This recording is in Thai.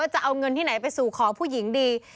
จะเอาเงินที่ไหนไปสู่ขอผู้หญิงดี